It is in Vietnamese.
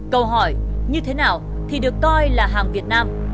câu hỏi như thế nào thì được coi là hàng việt nam